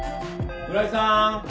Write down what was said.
村井さん？